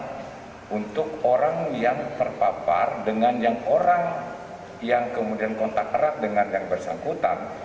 nah untuk orang yang terpapar dengan yang orang yang kemudian kontak erat dengan yang bersangkutan